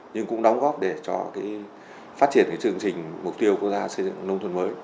nhưng cũng đóng góp để cho phát triển chương trình mục tiêu quốc gia xây dựng nông thôn mới